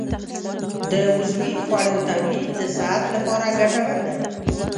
د عضوي خوړو تولید د صحت لپاره ګټور دی.